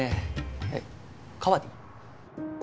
えっカバディ？